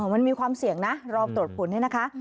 มันมีความเสี่ยงนะรอตรวจผลให้นะคะ